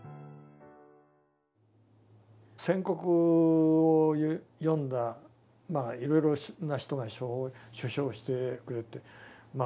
「宣告」を読んだまあいろいろな人が書評してくれてまあ